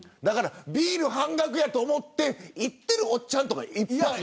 ビール半額やと思って行っているおっちゃんとかいる。